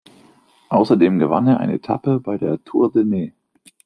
Außerdem gewann er eine Etappe bei der "Tour de Nez".